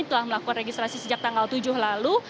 telah melakukan registrasi sejak tanggal tujuh lalu